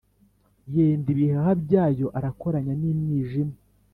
Yenda ibihaha byayo arakoranya n’imyijima